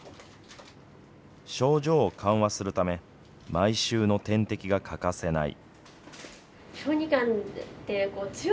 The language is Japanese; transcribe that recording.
症状を緩和するため、毎週の点滴が欠かせない。